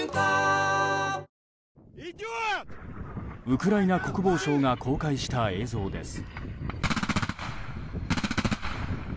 ウクライナ国防省が公開した映像です。